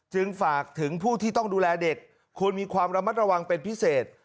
ฝากถึงผู้ที่ต้องดูแลเด็กควรมีความระมัดระวังเป็นพิเศษ